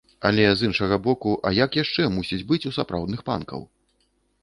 Але, з іншага боку, а як яшчэ мусіць быць у сапраўдных панкаў?